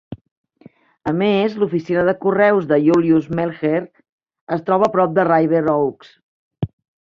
A més, l'oficina de correus de Julius Melcher es troba a prop de River Oaks.